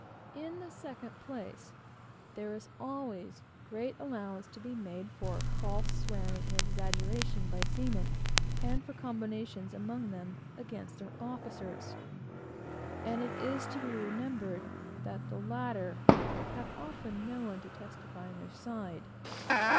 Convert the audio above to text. In the second place, there is always great allowance to be made for false swearing and exaggeration by seamen, and for combinations among them against their officers; and it is to be remembered that the latter have often no one to testify on their side.